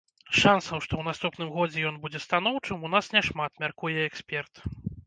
Шансаў, што ў наступным годзе ён будзе станоўчым, у нас няшмат, мяркуе эксперт.